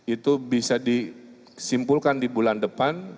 itu bisa disimpulkan di bulan depan